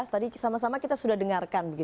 tadi sama sama kita sudah dengarkan